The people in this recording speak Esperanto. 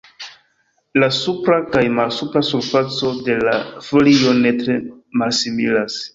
La supra kaj malsupra surfaco de la folio ne tre malsimilas.